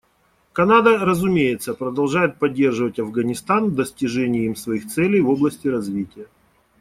Канада, разумеется, продолжает поддерживать Афганистан в достижении им своих целей в области развития.